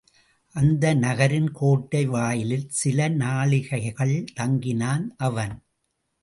அந்த நகரின் கோட்டை வாயிலில் சில நாழிகைகள் தங்கினான் அவன்.